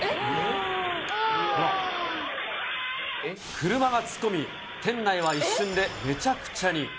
車が突っ込み、店内は一瞬でめちゃくちゃに。